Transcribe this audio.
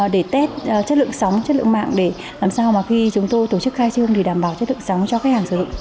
để tết chất lượng sóng chất lượng mạng để làm sao mà khi chúng tôi tổ chức khai trương để đảm bảo chất lượng sóng cho khách hàng sử dụng